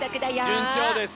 じゅんちょうです。